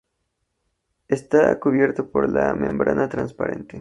Está cubierto por una membrana transparente.